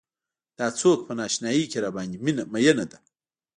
دا څوک په نا اشنايۍ کې راباندې مينه ده.